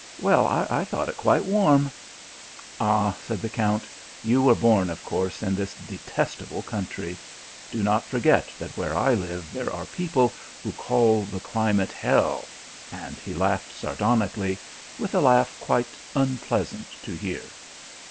"Well, I thought it quite warm." "Ah," said the count, "you were born, of course, in this detestable country. Do not forget that where I live there are people who call the climate hell," and he laughed sardonically, with a laugh quite unpleasant to hear.